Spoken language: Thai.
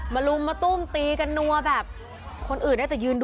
ลุมมาตุ้มตีกันนัวแบบคนอื่นได้แต่ยืนดู